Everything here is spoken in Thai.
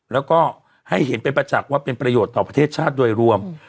แล้วก็ให้เห็นเป็นประจักษ์ว่าเป็นประโยชน์ต่อประเทศชาติโดยรวม